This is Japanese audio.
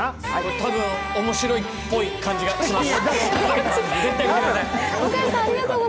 多分、面白いっぽい感じがします。